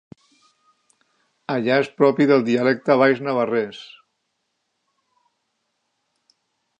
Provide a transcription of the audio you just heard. Allà és propi del dialecte baix navarrès.